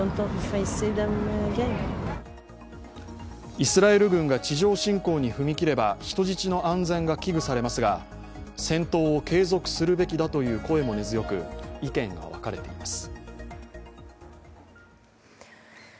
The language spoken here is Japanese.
イスラエル軍が地上侵攻に踏み切れば人質の安全が危惧されますが戦闘を継続するべきだという声も根強く意見が分かれています。